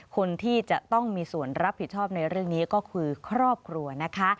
คนที่จะต้องมีส่วนรับผิดชอบในเรื่องนี้ก็คือครอบครัวนะคะ